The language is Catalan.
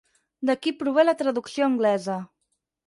D'aquí prové la traducció anglesa.